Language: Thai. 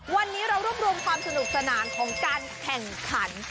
วันนี้เรารวบรวมความสนุกสนานของการแข่งขัน